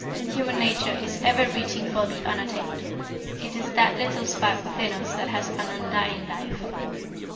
Human nature is ever reaching for the unattained. It is that little spark within us that has an undying life.